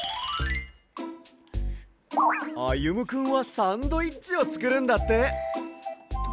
あゆむくんはサンドイッチをつくるんだって。